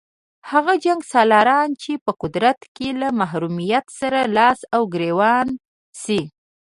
هغه جنګسالاران چې په قدرت کې له محرومیت سره لاس او ګرېوان شي.